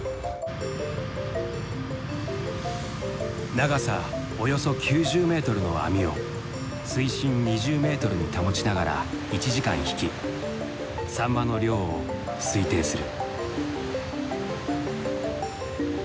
長さおよそ９０メートルの網を水深２０メートルに保ちながら１時間引きサンマの量を推定する。